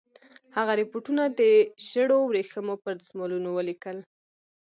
هغه رپوټونه د ژړو ورېښمو پر دسمالونو ولیکل.